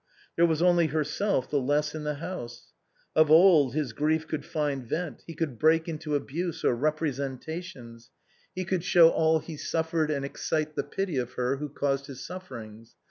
There was only herself the less in the house. Of old his grief could find vent, he could break into abuse, or representations — he could show all he EPILOGUE TO THE LOVES OP RODOLPHE AND MIMI. 309 suffered and excite the pity of her who caused his sufferingB.